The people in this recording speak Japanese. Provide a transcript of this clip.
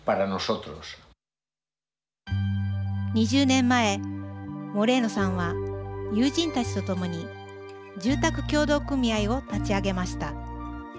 ２０年前モレーノさんは友人たちとともに住宅協同組合を立ち上げました。